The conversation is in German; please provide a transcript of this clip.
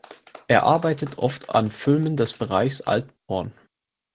Er arbeitet oft an Filmen des Bereichs Alt porn.